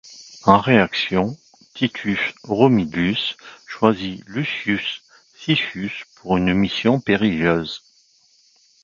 En réaction, Titus Romilius choisit Lucius Siccius pour une mission périlleuse.